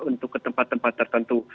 untuk ke tempat tempat tertentu